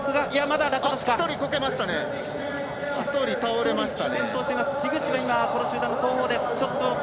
１人倒れました。